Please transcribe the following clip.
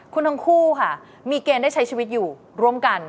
คุณทั้งคู่ค่ะมีเกณฑ์ได้ใช้ชีวิตอยู่ร่วมกัน